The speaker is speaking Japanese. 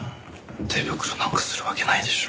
手袋なんかするわけないでしょ。